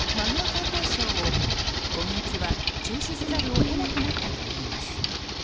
解体ショーを今月は中止せざるを得なくなったといいます。